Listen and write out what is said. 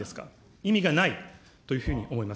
意味がないというふうに思います。